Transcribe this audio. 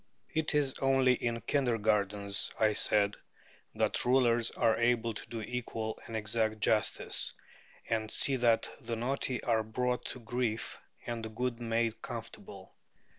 It is only in kindergartens, I said, that rulers are able to do equal and exact justice, and see that the naughty are brought to grief and the good made comfortable.